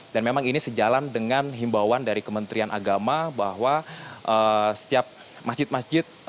dan memang ini sejalan dengan himbauan dari kementerian agama bahwa setiap masjid masjid